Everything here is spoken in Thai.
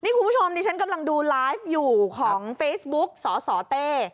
คุณผู้ชมดิฉันกำลังดูไลฟ์อยู่ของเฟซบุ๊กสสเต้